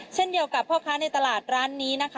เช่นเดียวกับพ่อค้าในตลาดร้านนี้นะคะ